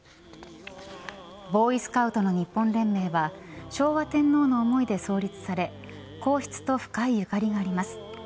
ボーイスカウトの日本連盟は昭和天皇の思いで創立され皇室と深い縁があります。